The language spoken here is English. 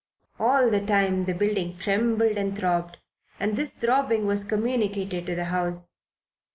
All the time the building trembled and throbbed, and this throbbing was communicated to the house.